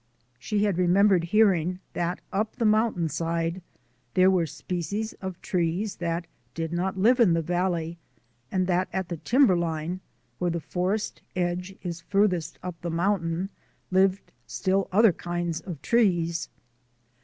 She had remembered hearing that up the moun tain side there were species of trees that did not live in the valley, and that at the timberline, where the forest edge is farthest up the mountain, lived still other kinds of trees.